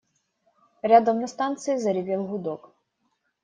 Рядом на станции заревел гудок.